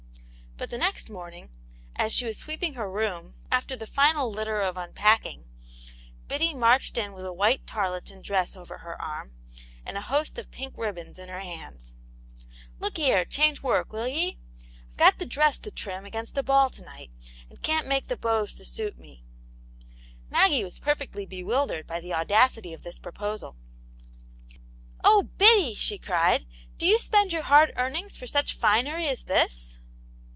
But the next morning, as she was sweeping her room, after the final litter of unpacking, Biddy marched in with a white tarleton dress over her arm, and a host of pink ribbons in her hands. ^'Look here, change work, m\\ 'v^'^ ^^^ 5jc:X*C!Cc^ 102 . Aunt Janets Hero. dress to trim against a ball to night, and can't make the bows to suit me/* Maggie was perfectly be wildered by the audacity of this proposal. "Oh, Biddy!" she cried, "do you spend your hard earnings for such finery as this